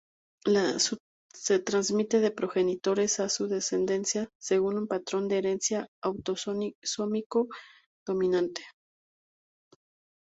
Se transmite de progenitores a su descendencia según un patrón de herencia autosómico dominante.